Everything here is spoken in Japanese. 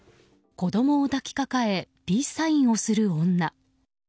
子供を抱きかかえピースサインをする女。